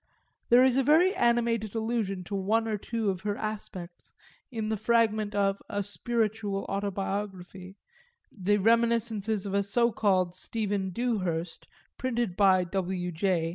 There is a very animated allusion to one or two of her aspects in the fragment of a "spiritual autobiography," the reminiscences of a so called Stephen Dewhurst printed by W. J.